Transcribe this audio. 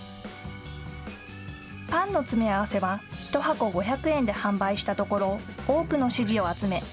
パンの詰め合わせは１箱５００円で販売したところ多くの支持を集め